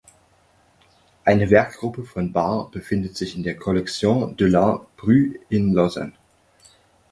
Eine Werkgruppe von Bar befindet sich in der Collection de l’Art Brut in Lausanne.